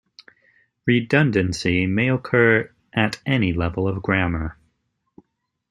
Redundancy may occur at any level of grammar.